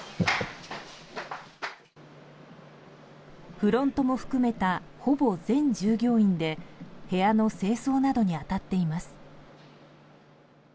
フロントも含めたほぼ全従業員で部屋の清掃などに当たっています。